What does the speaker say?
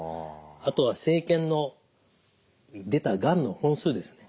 あとは生検の出たがんの本数ですね。